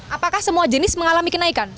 apakah semua jenis mengalami kenaikan